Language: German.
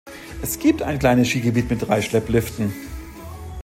Es gibt ein kleines Skigebiet mit drei Schleppliften.